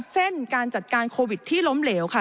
การจัดการโควิดที่ล้มเหลวค่ะ